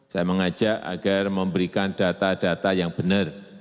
saya mengajak agar memberikan data data yang benar